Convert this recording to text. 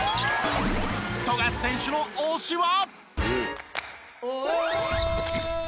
富樫選手の推しは。